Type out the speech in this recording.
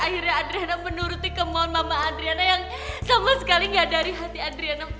akhirnya adriana menuruti kemohon mama adriana yang sama sekali gak dari hati adriana